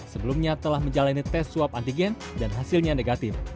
sebelumnya telah menjalani tes swab antigen dan hasilnya negatif